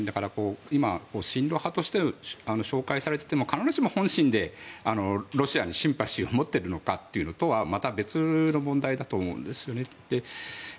今、親ロ派として紹介されていても必ずしも本心でロシアにシンパシーを持っているのかというのとはまた別の問題だと思うんです。